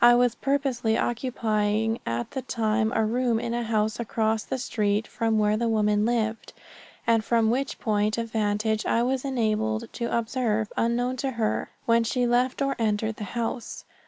I was purposely occupying at the time a room in a house across the street from where the woman lived, and from which point of vantage I was enabled to observe, unknown to her, when she left or entered the house.